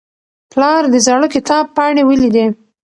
پلار د زاړه کتاب پاڼې ولیدې.